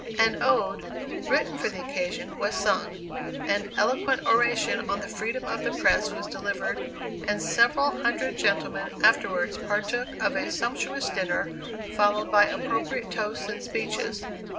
An ode, written for the occasion, was sung; an eloquent oration on the freedom of the press was delivered; and several hundred gentlemen afterwards partook of a sumptuous dinner followed by appropriate toasts and speeches.